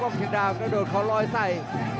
กล้องชิงดาวน์ก็โดดขอร้อยใส่